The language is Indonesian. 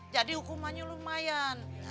jadi hukumannya lumayan